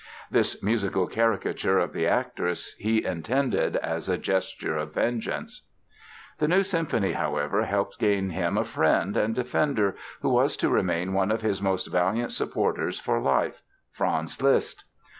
This musical caricature of the actress, he intended as a gesture of vengeance. The new symphony, however, helped gain him a friend and defender, who was to remain one of his most valiant supporters for life—Franz Liszt.